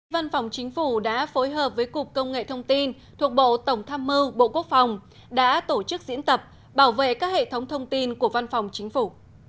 văn phòng chính phủ đã phối hợp với cục công nghệ thông tin thuộc bộ tổng tham mưu bộ quốc phòng đã tổ chức diễn tập bảo vệ các hệ thống thông tin của văn phòng chính phủ